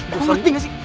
lo ngerti gak sih